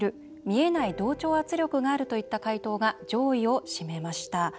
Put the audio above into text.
見えない同調圧力があるといった回答が上位を占めました。